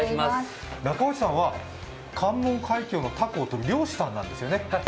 中内さんは関門海峡のたこをとる漁師なんですよね。